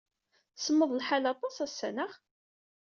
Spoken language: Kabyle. Semmeḍ lḥal aṭas ass-a, naɣ?